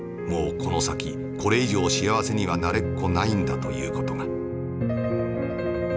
この先これ以上幸せにはなれっこないんだという事が」。